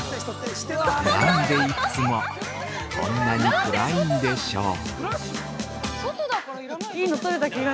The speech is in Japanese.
◆なんで、いっつもこんなに暗いんでしょう？